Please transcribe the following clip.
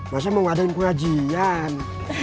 masa mau ngadain pengajian